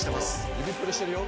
指プルしてるよ。